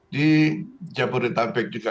di jabodebek juga